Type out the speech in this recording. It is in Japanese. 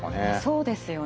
そうですよね。